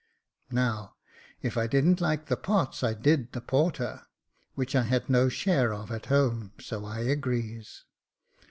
Now, if I didn't like the pots I did the porter, which I had no share of at home, so I agrees.